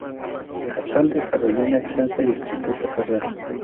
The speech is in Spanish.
Casal desarrolló una extensa y exitosa carrera.